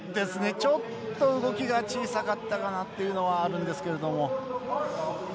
ちょっと動きが小さかったかなというのはあるんですけれども。